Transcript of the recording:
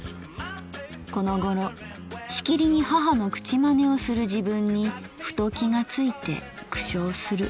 このごろしきりに母の口真似をする自分にふと気がついて苦笑する」。